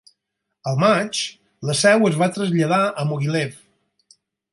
Al maig, la seu es va traslladar a Mogilev.